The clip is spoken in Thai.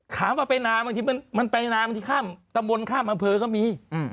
ถามว่าไปนาบางทีมันไปนาบางทีข้ามตำบลข้ามอำเภอก็มี